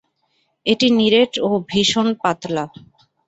এটি নিরেট ও ভীষণ পাতলা।